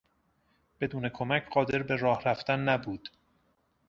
بدون کمک قادر به راه رفتن نبود.